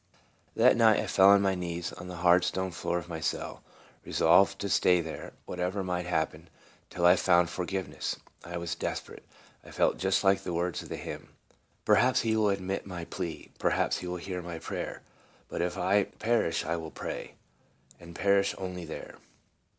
" THAT night I fell on my knees on the hard stone floor of my cell, resolved to stay there, whatever might happen, till I found forgiveness. I was desperate. I felt just like the words of the hymn, " Perhaps he will admit my plea, Perhaps will hear my prayer, But if I perish I will pray, And perish only there."